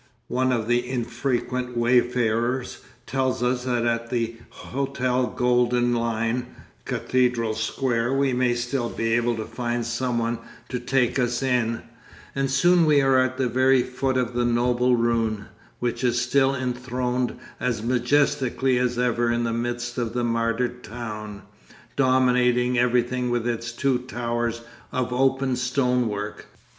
One of the infrequent wayfarers tells us that at the Hotel Golden Lion, Cathedral Square, we may still be able to find someone to take us in, and soon we are at the very foot of the noble ruin, which is still enthroned as majestically as ever in the midst of the martyred town, dominating everything with its two towers of open stone work.